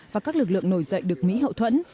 và các lực lượng nổi dậy được mỹ hậu thuẫn